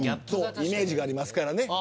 イメージがありますからね。